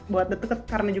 buat deket deket karena itu